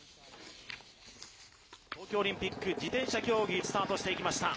東京オリンピック自転車競技、スタートしていきました。